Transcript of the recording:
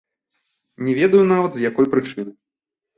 Не ведаю нават, з якой прычыны.